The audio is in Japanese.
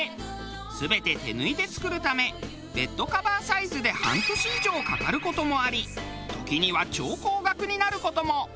全て手縫いで作るためベッドカバーサイズで半年以上かかる事もあり時には超高額になる事も。